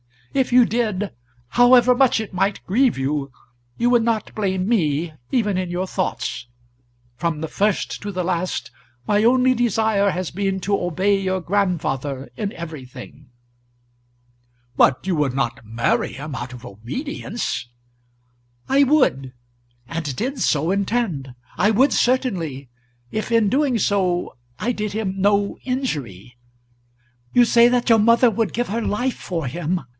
If you did, however much it might grieve you, you would not blame me, even in your thoughts. From the first to the last my only desire has been to obey your grandfather in everything." "But you would not marry him out of obedience?" "I would and did so intend. I would, certainly; if in doing so I did him no injury. You say that your mother would give her life for him.